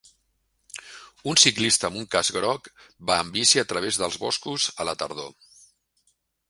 Un ciclista amb un casc grog va en bici a través dels boscos a la tardor.